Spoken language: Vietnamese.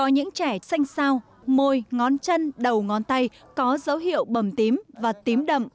những trẻ xanh sao môi ngón chân đầu ngón tay có dấu hiệu bầm tím và tím đậm